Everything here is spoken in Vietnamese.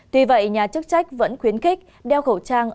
tuy vậy nhà chức trách vẫn khuyến khích đeo khẩu trang